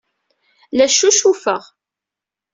La ccucufeɣ.